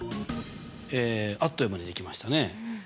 あっという間に出来ましたね。